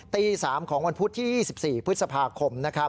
ตี๓ของวันพุธที่๒๔พฤษภาคม